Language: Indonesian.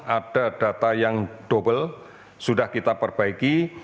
ada data yang double sudah kita perbaiki